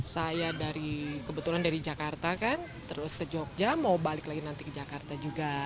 saya dari kebetulan dari jakarta kan terus ke jogja mau balik lagi nanti ke jakarta juga